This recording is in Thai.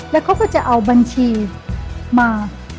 แล้วเขาก็จะเอาบัญชีมา